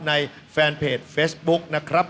แฟนเพจเฟซบุ๊กนะครับ